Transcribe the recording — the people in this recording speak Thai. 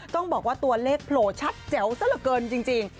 ต้องบอกว่าตัวเลขโผล่ชัดแจ๋วซะละเกินจริง